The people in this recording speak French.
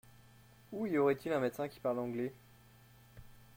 Où y aurait-il un médecin qui parle anglais ?